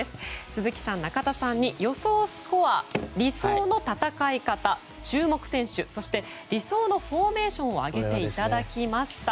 鈴木さん、中田さんに予想スコア、理想の戦い方注目選手そして理想のフォーメーションを挙げていただきました。